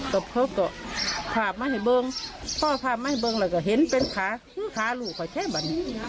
ก็เพราะก็ภาพมาให้เบิ้งพ่อภาพมาให้เบิ้งแล้วก็เห็นเป็นค่าคือค่าลูกค่อยใช้บันนี้